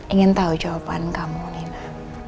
ingin tahu jawaban kamu nina